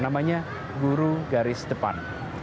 namanya guru garis depan